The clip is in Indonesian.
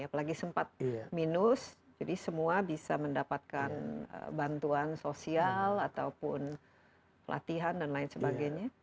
apalagi sempat minus jadi semua bisa mendapatkan bantuan sosial ataupun latihan dan lain sebagainya